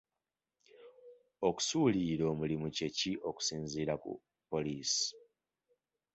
Okusuulirira omulimu kye ki okusinziira ku poliisi?